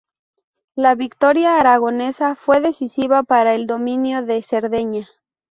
La victoria aragonesa fue decisiva para el dominio de Cerdeña.